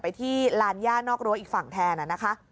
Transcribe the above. ที่ลานย่านอกรั้วอีกฝั่งแทนนะคะ